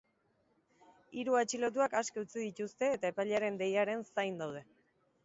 Hiru atxilotuak aske utzi dituzte eta epailearen deiaren zain daude.